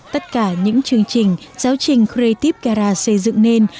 tất cả những chương trình giáo trình gretiv gara xây dựng nên